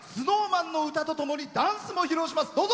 ＳｎｏｗＭａｎの歌とともにダンスも披露します。